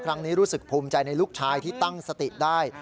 รู้สึกภูมิใจในลูกชายที่ตั้งสติได้